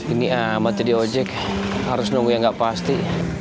ini mati di ojek harus nunggu yang gak pasti